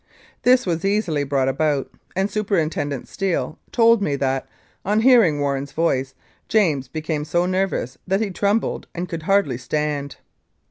This was easily brought about, and Superintendent Steele told me that, on hearing Warren's voice, James became so nervous that he trembled and could hardly stand.